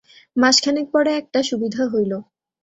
মাসখানেক পরে একটা সুবিধা হইল।